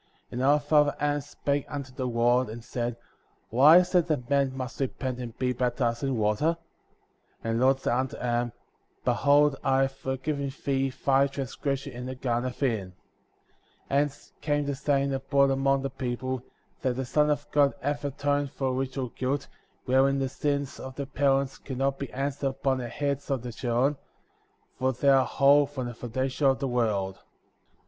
53. And our father Adam spake unto the Lord,*^ and said: Why is it that men must repent and be baptized in water? And the Lord said unto Adam: Behold I have forgiven thee thy transgression in the Garden of Eden.* 54. Hence came the saying abroad among the people. That the Son of God hath atoned for original guilt,*' wherein the sins of the parents can not be answered upon the heads of the children, for they are whole from the foundation of the world.